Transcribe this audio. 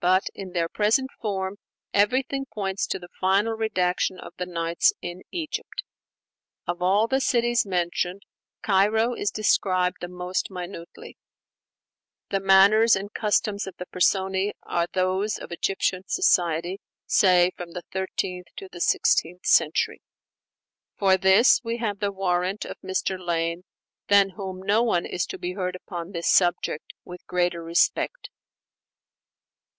But in their present form, everything points to the final redaction of the 'Nights' in Egypt. Of all the cities mentioned, Cairo is described the most minutely; the manners and customs of the personæ are those of Egyptian society say from the thirteenth to the sixteenth century. For this we have the warrant of Mr. Lane, than whom no one is to be heard upon this subject with greater respect.